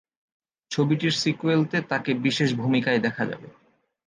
ছবিটির সিক্যুয়েল -তে তাকে বিশেষ ভূমিকায় দেখা যাবে।